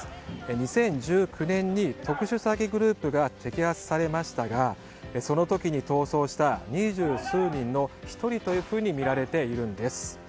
２０１９年に特殊詐欺グループが摘発されましたがその時に逃走した二十数人の１人というふうにみられているんです。